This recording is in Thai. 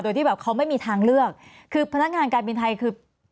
โดยที่แบบเขาไม่มีทางเลือกคือพนักงานการบินไทยคือ